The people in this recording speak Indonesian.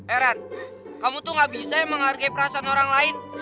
eh ran kamu tuh gak bisa ya menghargai perasaan orang lain